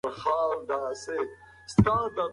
انسان وژنه یوه لویه ټولنیزه ستونزه ده.